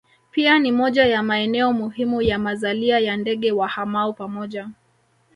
Pia ni moja ya maeneo muhimu ya mazalia ya ndege wahamao pamoja